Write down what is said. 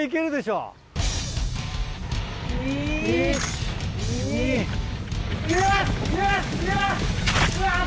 うわ！